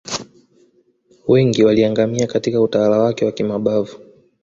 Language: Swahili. wengi waliangamia Katika utawala wake wa kimabavu